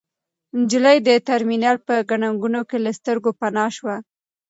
نجلۍ د ترمینل په ګڼه ګوڼه کې له سترګو پناه شوه.